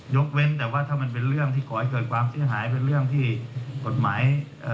เว้นแต่ว่าถ้ามันเป็นเรื่องที่ก่อให้เกิดความเสียหายเป็นเรื่องที่กฎหมายเอ่อ